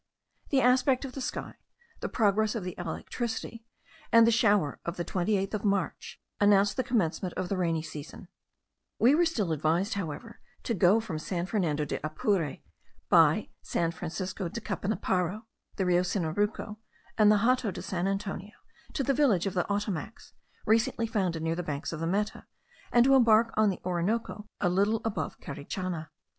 The aspect of the sky, the progress of the electricity, and the shower of the 28th of March, announced the commencement of the rainy season; we were still advised, however, to go from San Fernando de Apure by San Francisco de Capanaparo, the Rio Sinaruco, and the Hato de San Antonio, to the village of the Ottomacs, recently founded near the banks of the Meta, and to embark on the Orinoco a little above Carichana.